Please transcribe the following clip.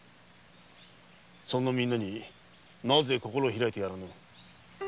そんなみんなになぜ心を開かぬ。